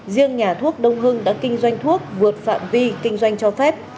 riêng nhà thuốc đông hưng đã kinh doanh thuốc vượt phạm vi kinh doanh cho phép